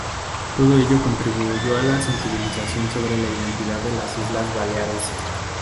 Todo ello contribuyó a la sensibilización sobre la identidad de las Islas Baleares.